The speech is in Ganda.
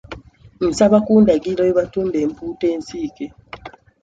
Nsaba kundagirira we batunda empuuta ensiike.